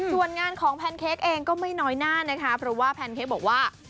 ส่วนงานของแพนเค้กเองก็ไม่น้อยหน้านะคะเพราะว่าแพนเค้กบอกว่า